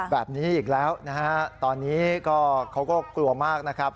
แบบนี้อีกแล้วนะฮะตอนนี้ก็เขาก็กลัวมากนะครับ